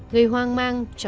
gây hoang mang cho xã hội